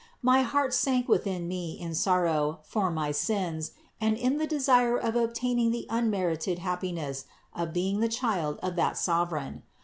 My heart sank within me in sorrow for my sins and in the desire of obtaining the unmerited happi ness of being the child of that Sovereign.